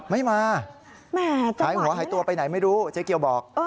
ไม่มาหายหัวหายตัวไปไหนไม่รู้เจ๊เกียวบอก